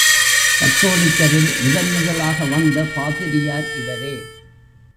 கத்தோலிக்கரில் முதன் முதலாக வந்த பாதிரியார் இவரே.